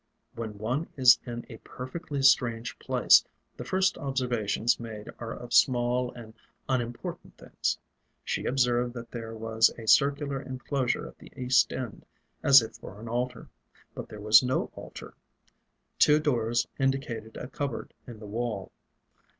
When one is in a perfectly strange place, the first observations made are of small and unimportant things. She observed that there was a circular inclosure at the east end, as if for an altar; but there was no altar: two doors indicated a cupboard in the wall.